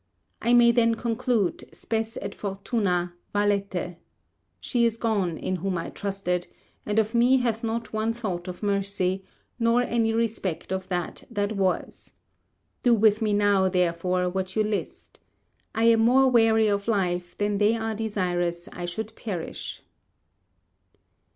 I may then conclude, Spes et fortuna, valete! She is gone in whom I trusted, and of me hath not one thought of mercy, nor any respect of that that was. Do with me now, therefore, what you list. I am more weary of life than they are desirous I should perish.